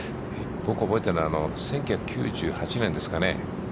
僕、覚えているのは、１９９８年ですかね。